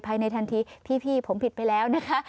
ภายในทันทีพี่ผมผิดไปแล้วนะคะ